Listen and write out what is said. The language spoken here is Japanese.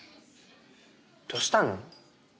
どうしたの？